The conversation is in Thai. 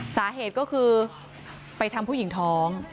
สาเหตุก็คือไปทำผู้หญิงท้อง